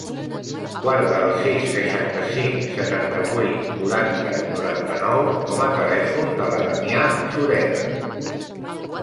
Guarda el sis, seixanta-cinc, setanta-vuit, quaranta, noranta-nou com a telèfon de la Damià Sureda.